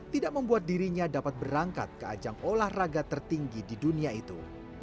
tidak membuat dirinya dapat berangkat ke ajang olahraga tertinggi di dunia itu